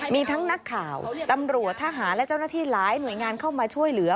มีทั้งนักข่าวตำรวจทหารและเจ้าหน้าที่หลายหน่วยงานเข้ามาช่วยเหลือ